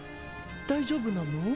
大丈夫なの？